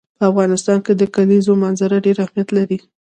په افغانستان کې د کلیزو منظره ډېر اهمیت لري.